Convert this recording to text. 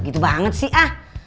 gitu banget sih ah